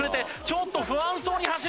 ちょっと不安そうに走りだす。